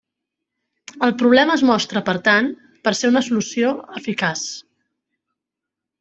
El problema es mostra per tant, per ser una solució eficaç.